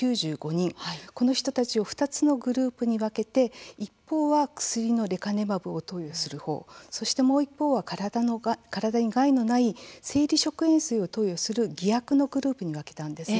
この人たちを２つのグループに分けて一方は薬のレカネマブを投与する方そして、もう一方は体に害のない生理食塩水を投与する偽薬のグループに分けたんですね。